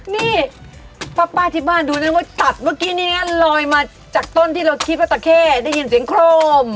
นี่ป้าที่บ้านดูนะว่าตัดเมื่อกี้นี้นะลอยมาจากต้นที่เราคิดว่าตะเข้ได้ยินเสียงโครม